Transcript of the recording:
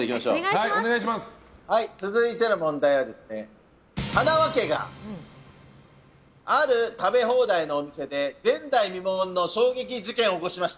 続いての問題ははなわ家がある食べ放題のお店で前代未聞の衝撃事件を起こしました。